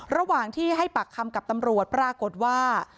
ระหว่างที่ให้ปากคำกับตำรวจปรากฏว่า